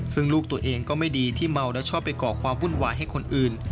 ซึ่งลูกตัวเองก็ไม่ดีที่เมาแล้วชอบไปก่อความวุ่นวายให้คนอื่น